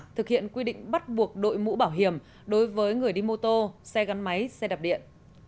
thực hiện quy định bắt buộc đội mũ bảo hiểm đối với người đi mô tô xe gắn máy xe đạp điện